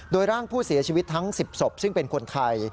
โดยร่างผู้เสียชีวิตทั้ง๑๐ศพซึ่งเป็นคนไทย